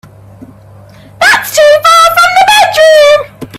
That's too far from the bedroom.